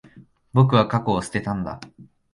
僕は、過去を捨てたんだ。